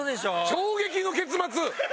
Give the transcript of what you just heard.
衝撃の結末！